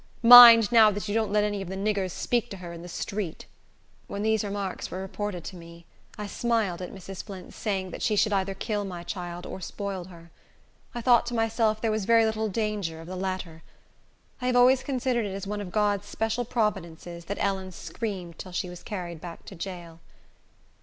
Mind, now, that you don't let any of the niggers speak to her in the street!" When these remarks were reported to me, I smiled at Mrs. Flint's saying that she should either kill my child or spoil her. I thought to myself there was very little danger of the latter. I have always considered it as one of God's special providences that Ellen screamed till she was carried back to jail.